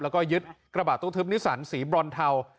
แล้วก็ยึดกระบาดตู้ทึบนิสันสีบรอนเทา